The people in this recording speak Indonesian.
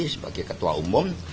sebagai ketua umum